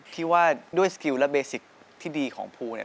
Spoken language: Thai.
พี่ว่าด้วยสกิลและเบสิคที่ดีของภูติ